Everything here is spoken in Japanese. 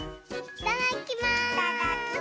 いただきます！